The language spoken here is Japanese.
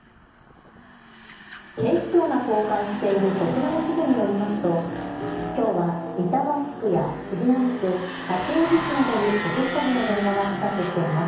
警視庁が公開しているこちらの地図によりますときょうは板橋区や杉並区、八王子市などに特殊詐欺の電話がかかってきています。